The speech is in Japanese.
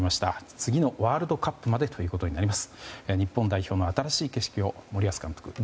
次のワールドカップまでということになります。